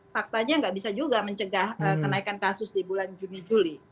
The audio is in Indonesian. faktanya nggak bisa juga mencegah kenaikan kasus di bulan juni juli